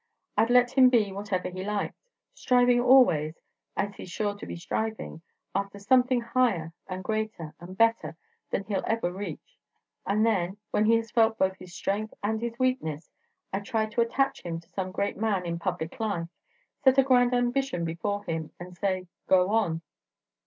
I 'd let him be whatever he liked, striving always, as he's sure to be striving, after something higher, and greater, and better than he'll ever reach; and then, when he has felt both his strength and his weakness, I 'd try and attach him to some great man in public life; set a grand ambition before him, and say, 'Go on.'"